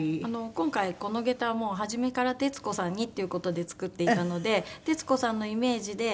今回この下駄はもう初めから徹子さんにっていう事で作っていたので徹子さんのイメージで。